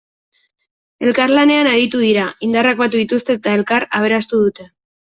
Elkarlanean aritu dira, indarrak batu dituzte eta elkar aberastu dute.